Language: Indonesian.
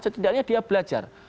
setidaknya dia belajar